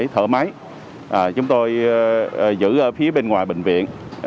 thở máy chúng tôi giữ phía bên ngoài bệnh viện